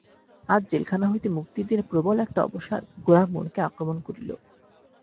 আজ জেলখানা হইতে মুক্তির দিনে প্রবল একটা অবসাদ গোরার মনকে আক্রমণ করিল।